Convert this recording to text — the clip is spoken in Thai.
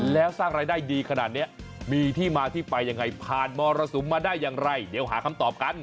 แล้วสร้างรายได้ดีขนาดนี้มีที่มาที่ไปยังไงผ่านมรสุมมาได้อย่างไรเดี๋ยวหาคำตอบกัน